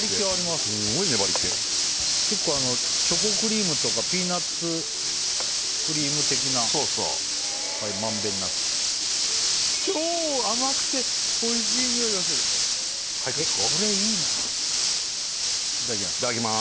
すごい粘りけ結構チョコクリームとかピーナッツクリーム的な満遍なく超甘くておいしい匂いがするこれいいないただきますいただきます